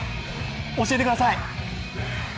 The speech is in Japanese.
教えてください。